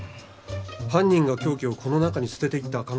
犯人が凶器をこの中に捨てていった可能性が。